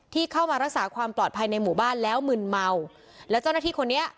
ที่เข้ามารักษาความปลอดภัยในหมู่บ้านแล้วมึนเมาแล้วเจ้าหน้าที่คนนี้